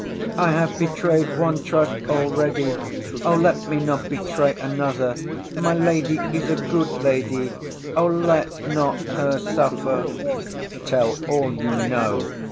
I have betrayed one trust already!—O let me not betray another!—My lady is a good lady!—O let not her suffer!— Tell all you know.